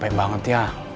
capek banget ya